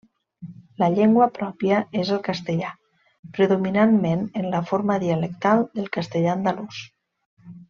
La llengua pròpia és el castellà, predominantment en la forma dialectal del castellà andalús.